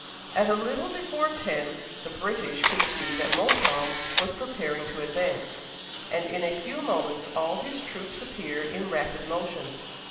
At a little before ten the British could see that Montcalm was preparing to advance, and in a few moments all his troops appeared in rapid motion.